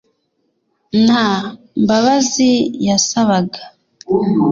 Nta mbabazi yasabaga